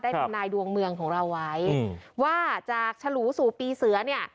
ทำนายดวงเมืองของเราไว้ว่าจากฉลูสู่ปีเสือเนี่ย